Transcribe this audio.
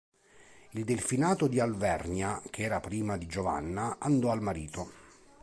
Il delfinato di Alvernia, che era prima di Giovanna, andò al marito.